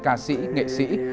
với những khó khăn